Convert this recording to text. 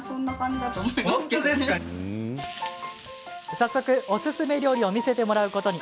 早速、おすすめ料理を見せてもらうことに。